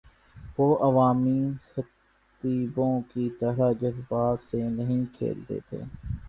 وہ عوامی خطیبوں کی طرح جذبات سے نہیں کھیلتے تھے۔